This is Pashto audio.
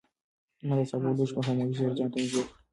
ما د سابو لوښی په خاموشۍ سره ځان ته نږدې کړ.